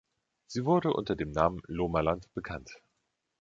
Sie wurde unter dem Namen „Lomaland“ bekannt.